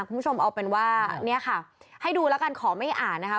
คุณผู้ชมเอาเป็นว่าเนี่ยค่ะให้ดูแล้วกันขอไม่อ่านนะคะ